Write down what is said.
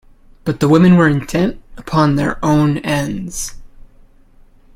But the women were intent upon their own ends.